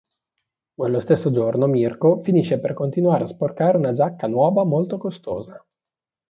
Quello stesso giorno Mirko finisce per continuare a sporcare una giacca nuova molto costosa.